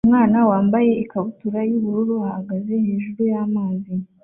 Umwana wambaye ikabutura yubururu ahagaze hejuru yamazi